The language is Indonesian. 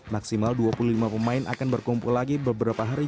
maksimal dua puluh lima pemain akan berkumpul lagi beberapa hari